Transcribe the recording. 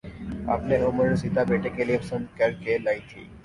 اپنے عمر رسیدہ بیٹے کےلیے پسند کرکے لائی تھیں